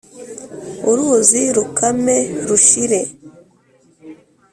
uruzi rukame rushire